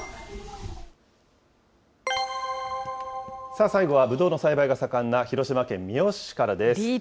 さあ、最後はブドウの栽培が盛んな広島県三次市からです。